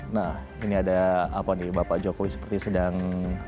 nah ini ada apa nih bapak jokowi seperti sedang